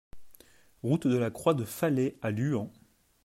Route de la Croix de Faslay à Luant